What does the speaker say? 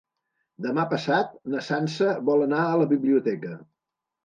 Demà passat na Sança vol anar a la biblioteca.